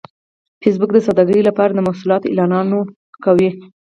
فېسبوک د سوداګرۍ لپاره د محصولاتو اعلانونه کوي